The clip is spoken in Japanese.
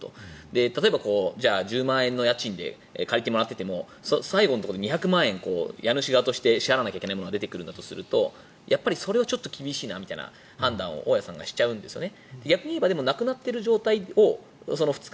例えば、１０万円の家賃で借りてもらっていても最後のところで２００万円家主側として支払わなければならないものが出てくるとやっぱりそれは厳しいなという判断を大家さんがしちゃうんですね。